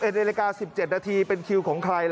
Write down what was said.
๑นาฬิกา๑๗นาทีเป็นคิวของใคร